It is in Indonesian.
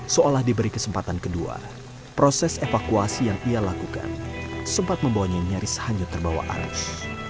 seolah diberi kesempatan kedua proses evakuasi yang ia lakukan sempat membawanya nyaris hanyut terbawa arus